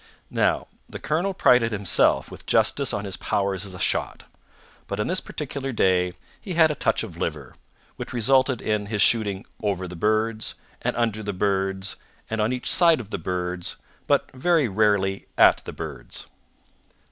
Now, the colonel prided himself with justice on his powers as a shot; but on this particular day he had a touch of liver, which resulted in his shooting over the birds, and under the birds, and on each side of the birds, but very rarely at the birds.